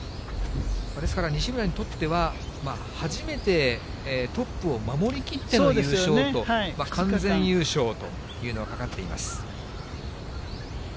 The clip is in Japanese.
ですから西村にとっては、初めてトップを守りきっての優勝と、完全優勝というのがかかっています。